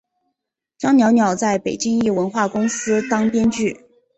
张寥寥在北京一文化公司当编剧。